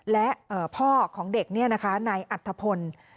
และพ่อของเด็กนี่นะคะนายอัธพล